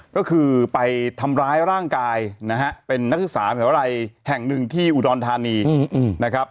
ก็คือไปทำร้ายร่างกายนะฮะเป็นนักศึกษาวิทยาลัยแห่งหนึ่งที่อุดรธานีนะครับ